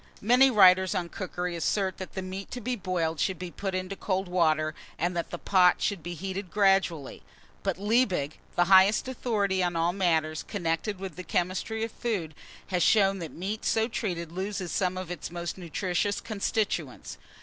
MANY WRITERS ON COOKERY assert that the meat to be boiled should be put into cold water, and that the pot should be heated gradually; but Liebig, the highest authority on all matters connected with the chemistry of food, has shown that meat so treated loses some of its most nutritious constituents.